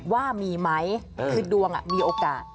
ว่ามีไหมคือดวงมีโอกาส